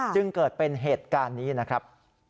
จึงเกิดเป็นเหตุการณ์นี้นะครับ